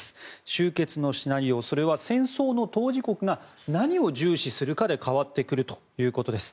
終結のシナリオ、それは戦争の当事国が何を重視するかで変わってくるということです。